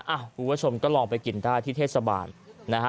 คุณผู้ชมก็ลองไปกินได้ที่เทศบาลนะฮะ